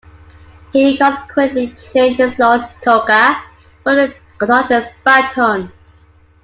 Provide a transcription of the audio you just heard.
He consequently changed his lawyer's "toga" for a conductor's baton.